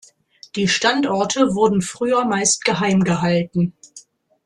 Die Standorte wurden früher meist geheim gehalten.